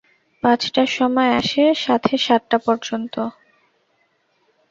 পাঁচটার সময় আসে, থাকে সাতটা পর্যন্ত।